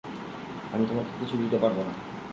আমি তোমাকে কিছু দিতে পারব না।